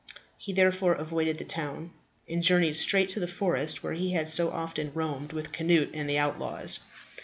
He therefore avoided the town, and journeyed straight to the forest, where he had so often roamed with Cnut and the outlaws.